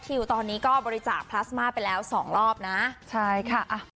ก็ต้องรอให้ร่างกายสูง